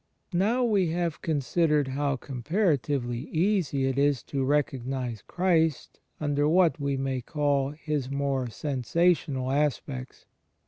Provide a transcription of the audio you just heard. Now we have considered how comparatively easy it is to recognize Christ imder what we may call His more sensational aspects.